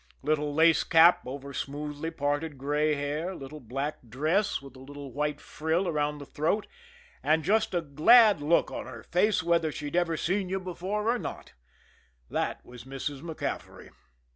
Little lace cap over smoothly parted gray hair, little black dress with a little white frill around the throat, and just a glad look on her face whether she'd ever seen you before or not that was Mrs. MacCaffery.